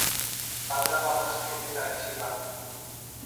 তাজা বাতাস খেতে চাইছিলাম।